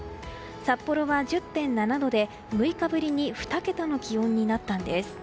札幌は１０．７度で６日ぶりに２桁の気温になったんです。